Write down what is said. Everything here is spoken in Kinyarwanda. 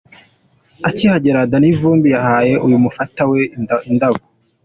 Akihagera Danny Vumbi yahaye uyu mufana we indabo.